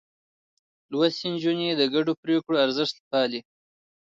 لوستې نجونې د ګډو پرېکړو ارزښت پالي.